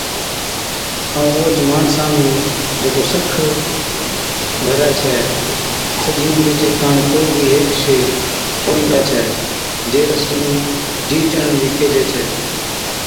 ائُون اوھچ ماڻسان نُون (جڪو سک ڀرَي ڇَي) سجي عمرِي چي ڪاڻ ڪو بِي ھيڪ شيء ڇوڙڻِي پڙَي ڇَي، ’جي رسمي نُون جِي چڙھڻ بِي ڪيھجَي ڇَي‘